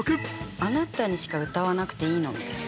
あなたにしか歌わなくていいのみたいな。